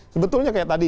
sebetulnya kayak tadi